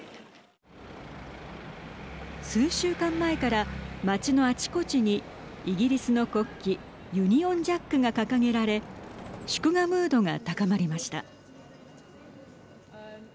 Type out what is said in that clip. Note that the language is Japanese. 数週間前から街のあちこちにイギリスの国旗ユニオンジャックが掲げられ祝賀ムードが高まりました。